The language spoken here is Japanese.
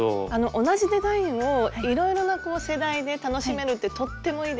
同じデザインをいろいろな世代で楽しめるってとってもいいですね。